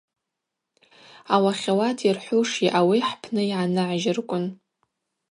Ауахьауат йырхӏвушйа, ауи хӏпны йгӏаныгӏжьырквын.